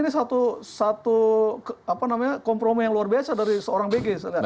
ini satu kompromi yang luar biasa dari seorang bg sebenarnya